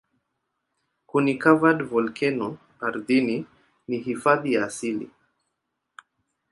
Kuni-covered volkeno ardhini ni hifadhi ya asili.